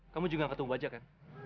kamu juga nggak ketemu bajak ya